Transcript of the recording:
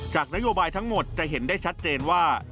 นโยบายทั้งหมดจะเห็นได้ชัดเจนว่า